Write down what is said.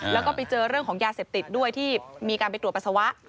แล้วก็ไปเจอเรื่องของยาเสพติดด้วยที่มีการไปตรวจปัสสาวะ